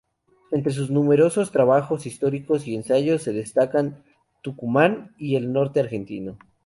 Entre sus numerosos trabajos históricos y ensayos se destacan "Tucumán y el Norte Argentino.